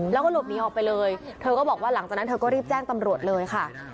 แล้วก็หลบหนีออกไปเลยเธอก็บอกว่าหลังจากนั้นเธอก็รีบแจ้งตำรวจเลยค่ะ